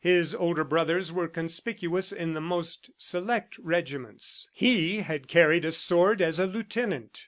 His older brothers were conspicuous in the most select regiments. He had carried a sword as a lieutenant.